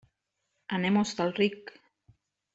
Anem a Hostalric.